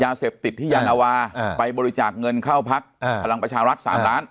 ยาเสพติดที่ยานาวาอ่าไปบริจาคเงินเข้าพักอ่าพลังประชารักษ์สามล้าน